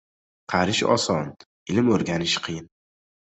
• Qarish oson, ilm o‘rganish qiyin.